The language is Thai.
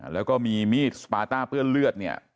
แล้วก็มีมีดสปาต้าเปื้อนเลือดเนี่ย